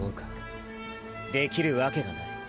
できるわけがない。